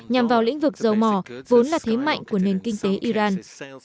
nhằm vào lĩnh vực dầu mỏ vốn là thế mạnh của nền kinh tế iran